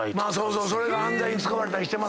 それが犯罪に使われたりしてますもんね。